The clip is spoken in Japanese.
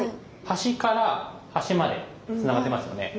端から端までつながってますよね。